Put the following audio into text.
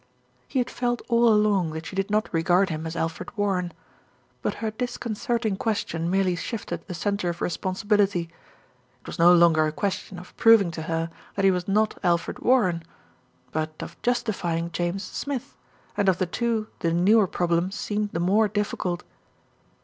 He had felt all along that she did not regard him as Alfred Warren; but her disconcerting question merely shifted the centre of responsibility. It was no longer a question of proving to her that he was not Alfred Warren; but of justifying James Smith, and of the two the newer problem seemed the more difficult.